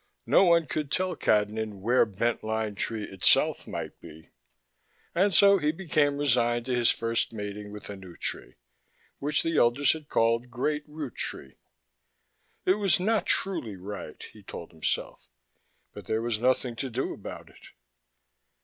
No one could tell Cadnan where Bent Line Tree itself might be: and so he became resigned to his first mating with a new tree, which the elders had called Great Root Tree. It was not truly right, he told himself, but there was nothing to do about it.